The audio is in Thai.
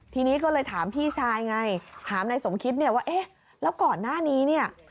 ทีนี้ก็เลยถามพี่ชายไงถามนายสมคิดเนี่ยว่าเอ๊ะแล้วก่อนหน้านี้เนี่ย